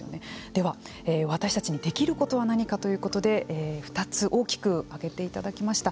では、私たちにできることは何かということで２つ大きく挙げていただきました。